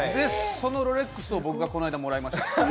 そのロレックスをこの前僕がもらいました。